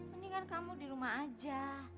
mendingan kamu di rumah aja